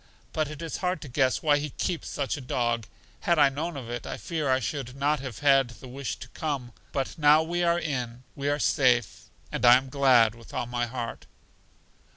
But it is hard to guess why He keeps such a dog. Had I known of it, I fear I should not have had the wish to come. But now we are in, we are safe; and I am glad with all my heart.